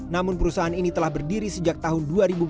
namun perusahaan ini telah berdiri sejak tahun dua ribu empat belas